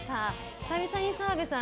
久々に澤部さん